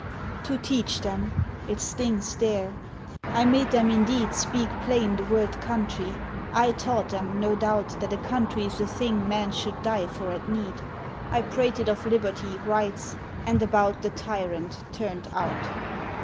To teach them ... It stings there. I made them indeed Speak plain the word "country," I taught them, no doubt, That a country's a thing men should die for at need. I prated of liberty, rights, and about The tyrant turned out.